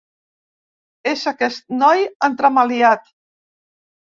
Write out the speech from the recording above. És aquest noi entremaliat.